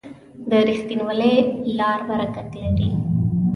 د رښتینولۍ لار برکت لري.